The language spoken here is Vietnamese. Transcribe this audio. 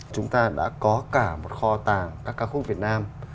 chúng ta đã có cả một kho tàng các ca khúc việt nam